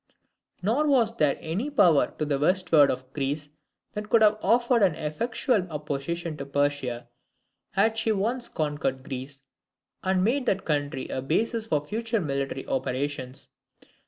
Nor was there any power to the westward of Greece that could have offered an effectual opposition to Persia, had she once conquered Greece, and made that country a basis for future military operations.